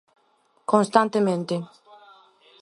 Constantemente.